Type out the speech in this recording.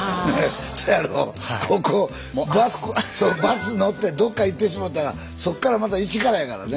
そうバス乗ってどっか行ってしもたらそっからまた一からやからね。